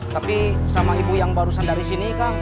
tapi sama ibu yang barusan dari sini kak